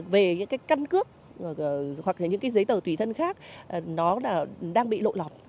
về những cái căn cước hoặc những cái giấy tờ tùy thân khác nó đang bị lộ lọt